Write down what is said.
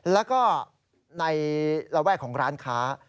แล้วก็ในระแวกของร้านค้า